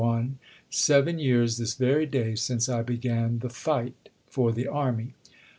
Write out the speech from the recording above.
(Seven years this very day since I began "the fight" for the Army.)